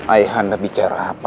aih anda bicara apa